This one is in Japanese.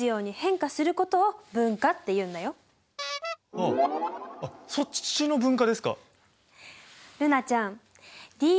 ああっそっちの分化ですか。